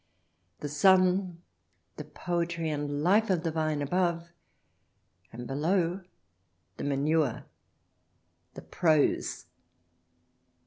The sun — the poetry and life of the vine above ; and below the manure — the prose.